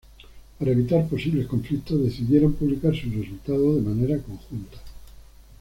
Para evitar posibles conflictos, decidieron publicar sus resultados de manera conjunta.